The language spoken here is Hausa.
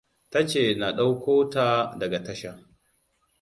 Ta ce na ɗauko ta daga tasha.